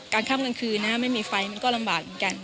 กลางค่ำกลางคืนนะไม่มีไฟมันก็ลำบากเหมือนกัน